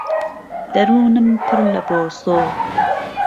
دهروونم پڕ له بۆسۆ